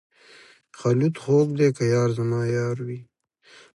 خلوت خوږ دی که یار زما یار وي.